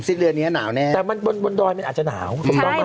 สิ้นเรือนนี้ได้หนาวแน่แน่แต่มันบนดอยมันอาจจะหนาวกรูปรองไหม